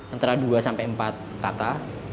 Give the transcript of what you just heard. antara dua sampai empat kata